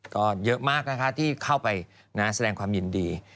ก็เยอะมากนะคะที่เข้าไปแสดงความยินดี